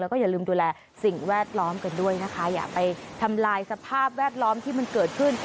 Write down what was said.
แล้วก็อย่าลืมดูแลสิ่งแวดล้อมกันด้วยนะคะอย่าไปทำลายสภาพแวดล้อมที่มันเกิดขึ้น